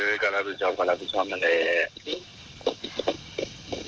ก็รับผิดชอบก็รับผิดชอบนั่นแหละ